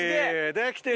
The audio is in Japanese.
できてる！